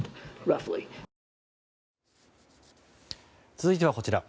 続いてはこちら。